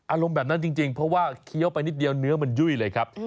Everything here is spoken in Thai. อารมณ์แบบนั้นจริงเพราะว่าเคี้ยวไปนิดเดียวเนื้อมันยุ่ยเลยครับ